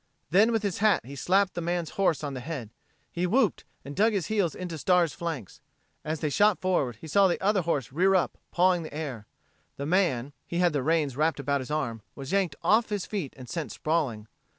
Then with his hat he slapped the man's horse on the head. He whooped, and dug his heels into Star's flanks. As they shot forward, he saw the other horse rear up, pawing the air. The man he had the reins wrapped about his arm was yanked from his feet and sent sprawling.